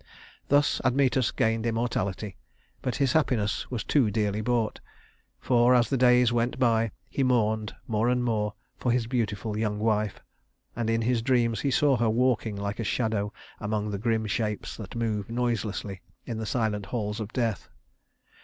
Thus Admetus gained immortality; but his happiness was too dearly bought, for as the days went by he mourned more and more for his beautiful young wife, and in his dreams he saw her walking like a shadow among the grim shapes that move noiselessly in the silent halls of death.